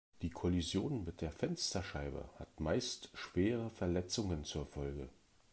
Die Kollision mit der Fensterscheibe hat meist schwere Verletzungen zur Folge.